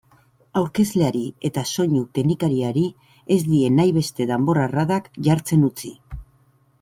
Aurkezleari eta soinu-teknikariari ez die nahi beste danbor-arradak jartzen utzi.